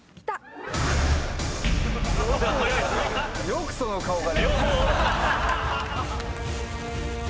よくその顔が。